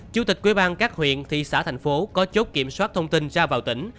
chủ tịch quỹ ban các huyện thị xã thành phố có chốt kiểm soát thông tin ra vào tỉnh